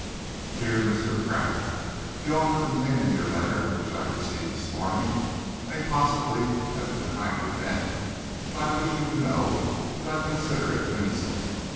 Dear Mr. Pratt, The offer contained in your letter, which I received this morning, may possibly have been kindly meant, but I wish you to know that I consider it an insult.